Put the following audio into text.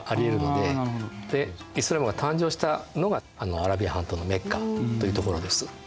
でイスラームが誕生したのがアラビア半島のメッカという所です。